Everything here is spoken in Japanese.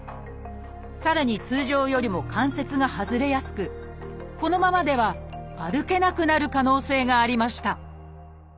さらに通常よりも関節が外れやすくこのままでは歩けなくなる可能性がありました